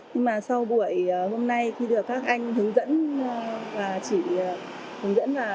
nhưng mà sau buổi hôm nay khi được các anh hướng dẫn và chỉ đạo